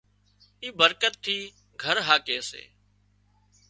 اي برڪت ٿِي گھر هاڪي سي